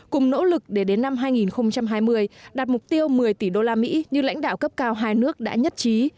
cùng nỗ lực để đến năm hai nghìn hai mươi đạt mục tiêu một mươi tỷ đô la mỹ như lãnh đạo cấp cao hai nước đã nhất trí